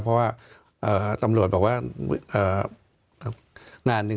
เพราะว่าตำรวจบอกว่า